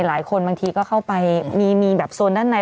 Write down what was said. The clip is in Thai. บางทีก็เข้าไปมีแบบโซนด้านใน